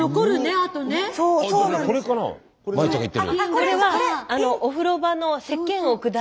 これはお風呂場のせっけんを置く台。